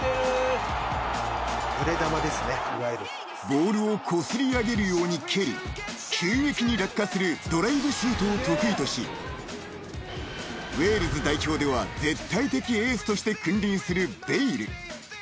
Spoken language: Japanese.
［ボールをこすり上げるように蹴り急激に落下するドライブシュートを得意としウェールズ代表では絶対的エースとして君臨するベイル］